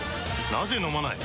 なぜ飲まない？